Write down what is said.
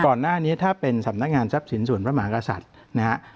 ก่อนหน้านี้ถ้าเป็นสำนักงานทรัพย์สินส่วนพระมหากษัตริย์นะฮะ